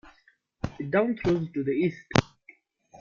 It downthrows to the east.